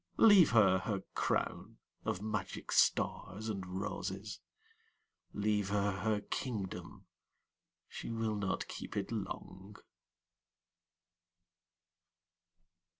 . Leave her her crown of magic stars and roses, Leave her her kingdom—she will not keep it long!